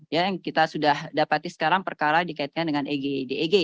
ya yang kita sudah dapati sekarang perkara dikaitkan dengan eg deg